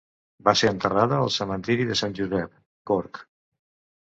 Va ser enterrada al cementiri de Saint Josep, Cork.